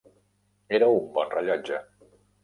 Era un bon rellotge.